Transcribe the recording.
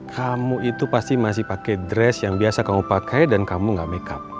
kamu itu pasti masih pakai dress yang biasa kamu pakai dan kamu gak makeup